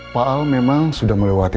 paal memang sudah melewati